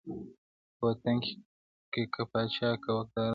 په وطن کي که پاچا که واکداران دي -